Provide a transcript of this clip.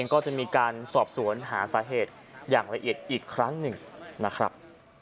ก็จะมีการสอบสวนหาสาเหตุอย่างละเอียดอีกครั้งหนึ่งนะครับ